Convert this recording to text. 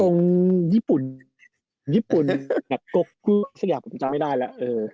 ส่งญี่ปุ่นญี่ปุ่นหนักกกรุ๊บสักอย่างผมจำไม่ได้ละ